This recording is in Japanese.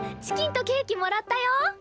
チキンとケーキもらったよ！